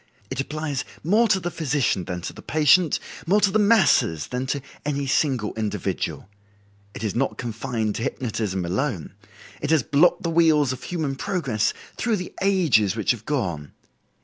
It applies more to the physician than to the patient, more to the masses than to any single individual. It is not confined to hypnotism alone; it has blocked the wheels of human progress through the ages which have gone.